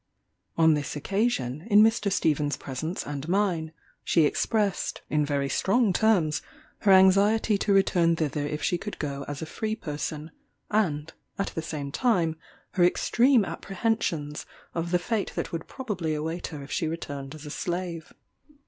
On this occasion, in Mr. Stephen's presence and mine, she expressed, in very strong terms, her anxiety to return thither if she could go as a free person, and, at the same time, her extreme apprehensions of the fate that would probably await her if she returned as a slave.